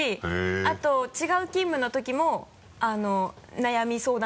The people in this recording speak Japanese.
あと違う勤務の時も悩み相談